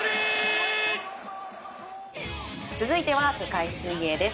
続いては世界水泳です。